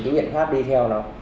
cái viện pháp đi theo nó